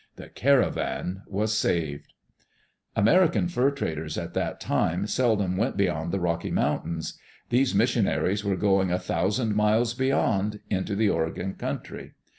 The caravan was saved I American fur traders at that time seldom went beyond the Rocky Mountains. These missionaries were going a thousand miles beyond, into the Oregon country.